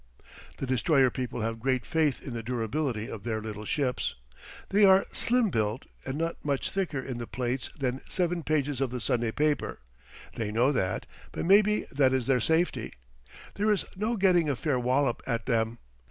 The destroyer people have great faith in the durability of their little ships. They are slim built, and not much thicker in the plates than seven pages of the Sunday paper they know that, but maybe that is their safety. There is no getting a fair wallop at them.